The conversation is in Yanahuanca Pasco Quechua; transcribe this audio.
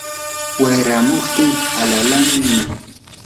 wayramuptin alalanmi.